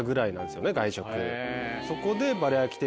そこで。